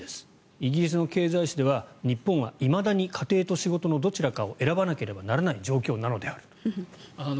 イギリスの経済紙では日本はいまだに家庭と仕事のどちらかを選ばなければいけない状況なのであると。